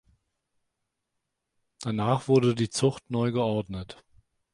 Danach wurde die Zucht neu geordnet.